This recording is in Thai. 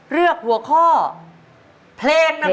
เลือกหัวข้อเพลงนะครับ